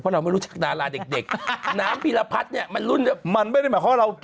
เพราะเราไม่รู้จักดาราเด็ก